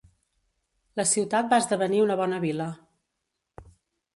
La ciutat va esdevenir una bona vila.